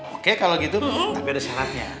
oke kalau gitu tapi ada syaratnya